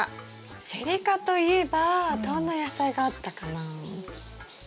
セリ科といえばどんな野菜があったかな？